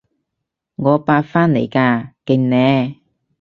我八返嚟㗎，勁呢？